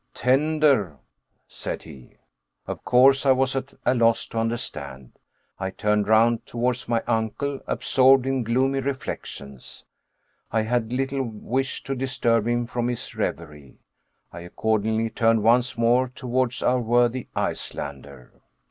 "Tander," said he. Of course I was at a loss to understand. I turned round towards my uncle, absorbed in gloomy reflections. I had little wish to disturb him from his reverie. I accordingly turned once more towards our worthy Icelander.